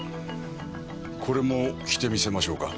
これも着てみせましょうか？